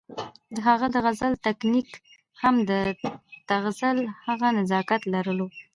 د هغه د غزل تکنيک هم د تغزل هغه نزاکت لرلو